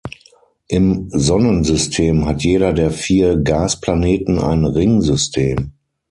Im Sonnensystem hat jeder der vier Gasplaneten ein Ringsystem.